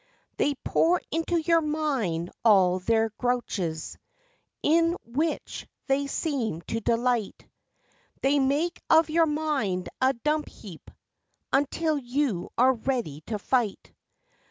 They pour into your mind all their grouches, In which they seem to delight, They make of your mind a dump heap, Until you are ready to fight.